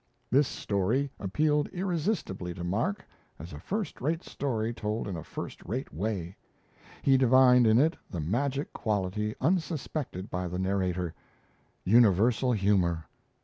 This story appealed irresistibly to Mark as a first rate story told in a first rate way; he divined in it the magic quality unsuspected by the narrator universal humour.